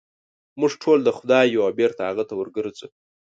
موږ ټول د خدای یو او بېرته هغه ته ورګرځو.